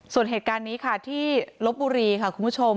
ส่วนเหตุการณ์นี้ค่ะที่ลบบุรีค่ะคุณผู้ชม